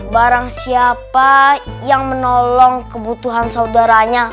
barang siapa yang menolong kebutuhan saudaranya